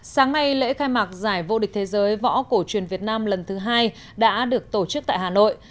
sáng nay lễ khai mạc giải vô địch thế giới võ cổ truyền việt nam lần thứ hai đã được tổ chức tại hà nội